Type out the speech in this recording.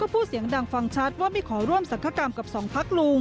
พูดเสียงดังฟังชัดว่าไม่ขอร่วมสังคกรรมกับสองพักลุง